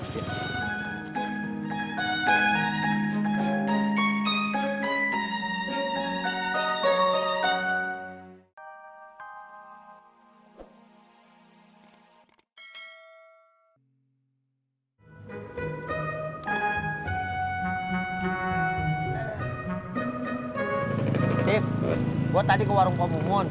cis gue tadi ke warung pembungun